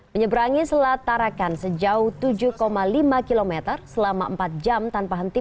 menyeberangi selat tarakan sejauh tujuh lima km selama empat jam tanpa henti